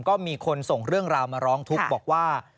ก็มีคนส่งเรื่องราวมาร้องทุกข์บอกว่า